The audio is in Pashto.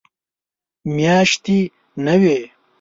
میاشتې نه وي.